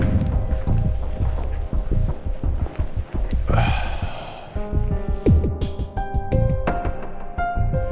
perempuan ini kan ya